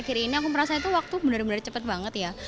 akhir akhir ini aku merasa itu waktu bener bener cepet banget ya